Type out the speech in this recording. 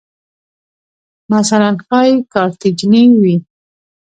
مثلاً ښایي کارتیجني وې